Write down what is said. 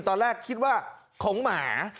ตอนแรกคิดว่าของหมา